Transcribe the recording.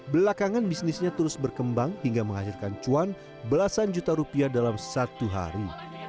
belakangan bisnisnya terus berkembang hingga menghadirkan cuan belasan juta rupiah dalam satu hari